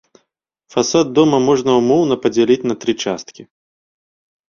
Фасад дома можна ўмоўна падзяліць на тры часткі.